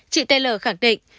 chị taylor khẳng định